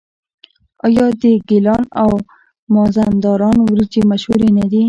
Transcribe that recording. آیا د ګیلان او مازندران وریجې مشهورې نه دي؟